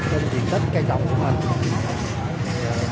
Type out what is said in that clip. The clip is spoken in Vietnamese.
trên diện tích cây trọng của mình